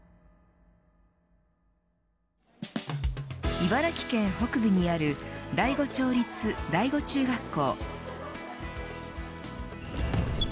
茨城県北部にある大子町立大子中学校。